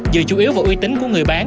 dựa chủ yếu vào uy tín của người bán